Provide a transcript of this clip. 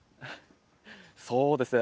そうですね。